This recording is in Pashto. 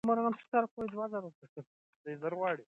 موږ باید خپل رول ولوبوو.